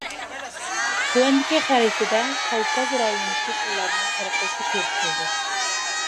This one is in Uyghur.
تۆۋەندىكى خەرىتىدە كاۋكاز رايونىدىكى تىللارنىڭ تارقىلىشى كۆرسىتىلدى.